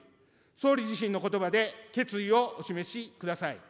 総理自身のことばで決意をお示しください。